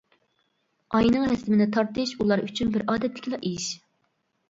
ئاينىڭ رەسىمىنى تارتىش ئۇلار ئۈچۈن بىر ئادەتتىكىلا ئىش.